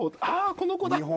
この子だ。